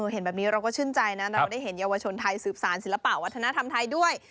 เห็นแบบนี้เราก็ชื่นใจนะเราได้เห็นเยาวชนไทยสืบสารศิลปะวัฒนธรรมไทยด้วย